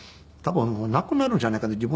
多分亡くなるんじゃないかな